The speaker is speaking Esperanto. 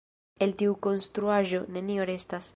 El tiu konstruaĵo, nenio restas.